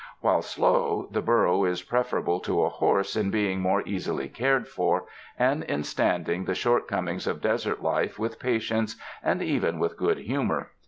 While slow, the burro is pref erable to a horse in being more easily cared for, and in standing the shortcomings of desert life with patience and even with good humor.